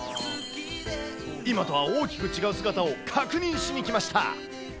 今とは大きく違う姿を確認しに来ました。